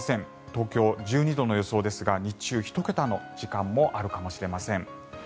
東京、１２度の予想ですが日中、１桁の時間もあるかもしれません。